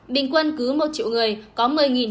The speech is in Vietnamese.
bình quân cứ một triệu người có một mươi tám trăm linh